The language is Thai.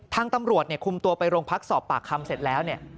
ทางตำรวจคุมตัวไปโรงพักสอบปากคำเสร็จแล้ว